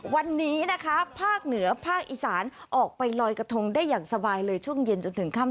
วันนี้นะคะภาคเหนือภาคอีสานออกไปลอยกระทงได้อย่างสบายเลยช่วงเย็นจนถึงค่ำ